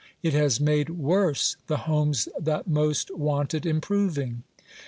387 it has made worse the homes that most wanted improving.